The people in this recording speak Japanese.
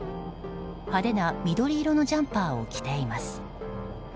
派手な緑色のジャンパーを着ています。